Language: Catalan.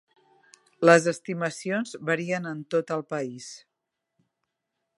Les estimacions varien en tot el país.